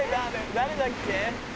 誰だっけ？